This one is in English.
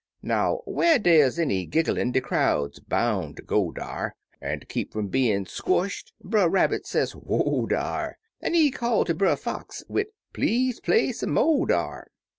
Now, whar dey's any gigglin' de crowd boun' ter go dar, An' ter keep fum bein' squshed Brer Rabbit say, " W'oa, dar!" An' he call ter Brer Fox wid "Please play some mo', dar!'